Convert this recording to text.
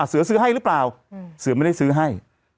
เสือซื้อให้หรือเปล่าเสือไม่ได้ซื้อให้